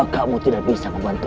rangka kamu tidak bisa membantumu